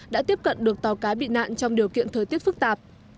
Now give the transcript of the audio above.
đã tiếp cận được tàu cá bị nạn trong điều kiện thời tiết phức tạp